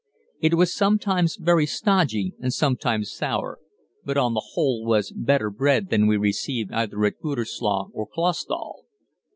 It was sometimes very stodgy, and sometimes sour, but on the whole was better bread than we received either at Gütersloh or Clausthal.